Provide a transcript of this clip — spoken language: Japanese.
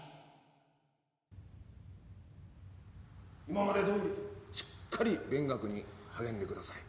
今までどおりしっかり勉学に励んでください。